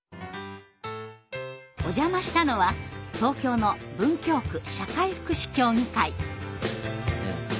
お邪魔したのは東京の文京区社会福祉協議会。